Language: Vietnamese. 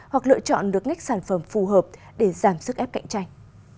hoặc lựa chọn được ngách sản phẩm phù hợp để giảm sức ép cạnh tranh